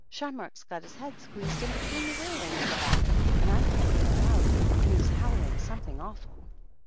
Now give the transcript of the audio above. Shamrock's got his head squeezed in between the rail ings at the back, and I can't get him out, and he's howling something awful